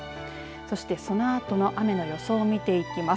そして、そのあとの雨の予想を見ていきます。